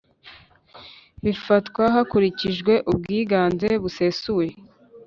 bifatwa hakurikijwe ubwiganze busesuye